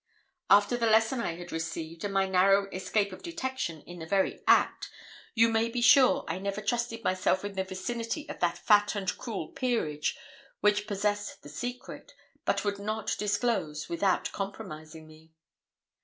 After the lesson I had received, and my narrow escape of detection in the very act, you may be sure I never trusted myself in the vicinity of that fat and cruel 'Peerage,' which possessed the secret, but would not disclose without compromising me.